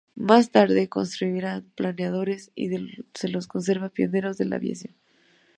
Más tarde construirían planeadores, y se los considera pioneros de la aviación.